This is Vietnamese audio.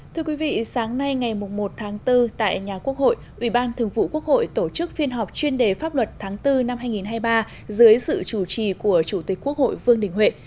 thưa quý vị sáng nay ngày một một bốn tại nhà quốc hội ubthqh tổ chức phiên họp chuyên đề pháp luật tháng bốn năm hai nghìn hai mươi ba dưới sự chủ trì của chủ tịch quốc hội vương đình huệ